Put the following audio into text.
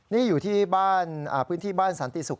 นี่อยู่ที่บ้านพื้นที่บ้านสันติศุกร์